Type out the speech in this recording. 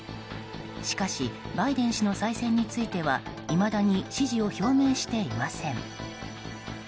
しかし、バイデン氏の再選についてはいまだに支持を表明していません。